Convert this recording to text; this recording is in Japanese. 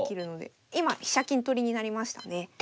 今飛車金取りになりましたね。